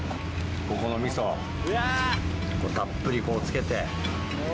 ここのみそたっぷりこう付けて。